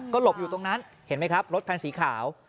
หลบอยู่ตรงนั้นเห็นไหมครับรถคันสีขาว